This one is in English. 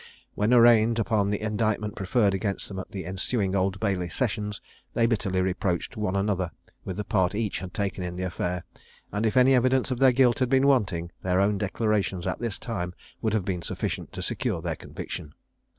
When arraigned upon the indictment preferred against them at the ensuing Old Bailey Sessions, they bitterly reproached one another with the part each had taken in the affair; and if any evidence of their guilt had been wanting, their own declarations at this time would have been sufficient to secure their conviction.